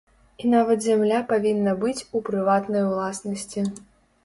І нават зямля павінна быць у прыватнай уласнасці.